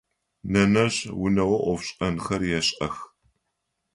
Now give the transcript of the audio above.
Нэнэжъ унэгъо ӏофшӏэнхэр ешӏэх.